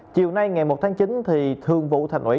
chiều nay ngày một tháng chín thì thường vụ thành ủy